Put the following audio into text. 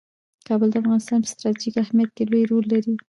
کابل د افغانستان په ستراتیژیک اهمیت کې لوی رول لري.